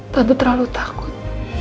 tante terlalu takut